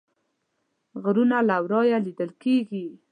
غرونه له ورایه لیدل کیږي